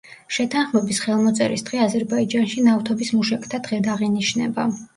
შეთანხმების ხელმოწერის დღე აზერბაიჯანში ნავთობის მუშაკთა დღედ აღინიშნება.